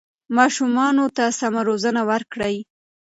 ماشومانو ته سمه روزنه ورکړئ.